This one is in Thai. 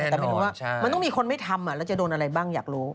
แต่ไม่รู้ว่ามันต้องมีคนไม่ทำแล้วจะโดนอะไรบ้างอยากรู้